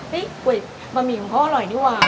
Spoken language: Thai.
เฮ้ยบะหมี่ของพ่ออร่อยดีวะ